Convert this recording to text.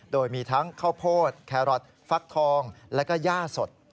โดยมีทั้งข้าวโพดแครอทฟักทองแล้วก็ย่าสด